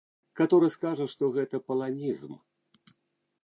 Каторы скажа, што гэта паланізм.